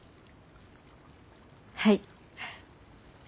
はい。